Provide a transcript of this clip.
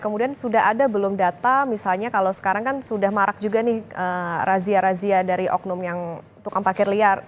kemudian sudah ada belum data misalnya kalau sekarang kan sudah marak juga nih razia razia dari oknum yang tukang parkir liar